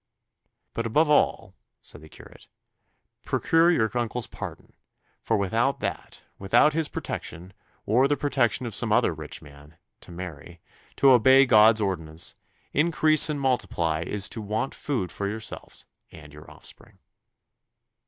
"But, above all," said the curate, "procure your uncle's pardon; for without that, without his protection, or the protection of some other rich man, to marry, to obey God's ordinance, increase and multiply is to want food for yourselves and your offspring."